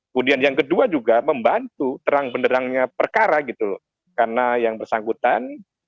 kemudian yang kedua juga membantu terang penderangnya perkara gitu loh karena yang bersangkutan